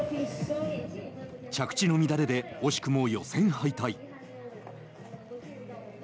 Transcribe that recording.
着地の乱れで惜しくも予選敗退。